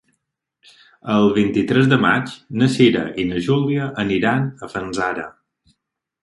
El vint-i-tres de maig na Cira i na Júlia aniran a Fanzara.